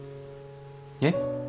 えっ？